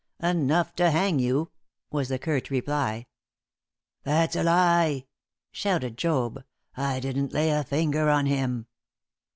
"Enough to hang you," was the curt reply. "That's a lie!" shouted Job. "I didn't lay a finger on him."